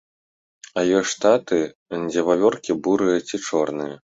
А ёсць штаты, дзе вавёркі бурыя ці чорныя.